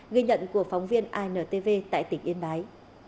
ghi nhận của phóng viên intv tại tỉnh yên bái